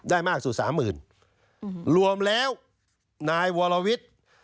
ได้มากสู่๓๐๐๐๐บาทรวมแล้วนายวรวิทย์